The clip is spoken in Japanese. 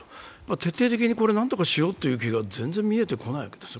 徹底的に何とかしようという気が全然見えてこないわけです。